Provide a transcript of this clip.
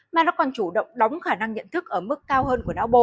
mà nó còn chủ động đóng khả năng nhận thức ở mức cao hơn của não bộ